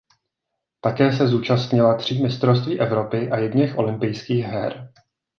Také se zúčastnila tří mistrovství Evropy a jedněch olympijských her.